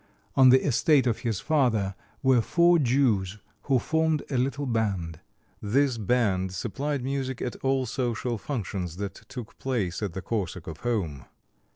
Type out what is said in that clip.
On the estate of his father were four Jews, who formed a little band. This band supplied music at all social functions that took place at the Korsakov home.